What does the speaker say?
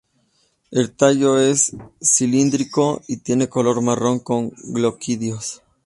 El tallo es cilíndrico y tiene color marrón con gloquidios.